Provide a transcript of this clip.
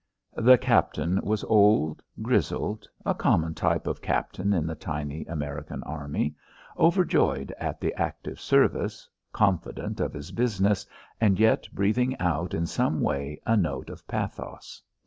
The captain was old, grizzled a common type of captain in the tiny American army overjoyed at the active service, confident of his business, and yet breathing out in some way a note of pathos.